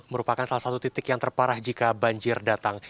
merupakan salah satu titik yang terparah jika banjir datang